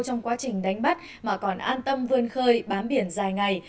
trong quá trình đánh bắt mà còn an tâm vươn khơi bám biển dài ngày